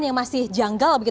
yang masih janggal